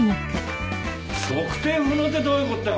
「測定不能」ってどういうこったよ